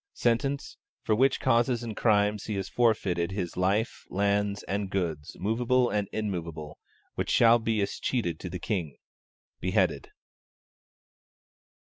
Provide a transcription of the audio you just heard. Sentence. For which causes and crimes he has forfeited his life, lands, and goods, movable and immovable; which shall be escheated to the King. Beheaded.